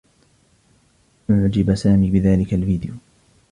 أُعجب سامي بذلك الفيديو.